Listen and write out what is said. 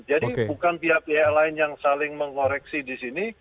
jadi bukan pihak pihak lain yang saling mengoreksi disini